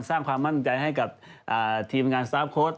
สร้างความมั่นใจให้กับทีมงานสตาร์ฟโค้ด